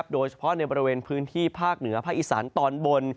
โดยเฉพาะในบริเวณพื้นที่ภาคเหนือภาคอีสานตอนบน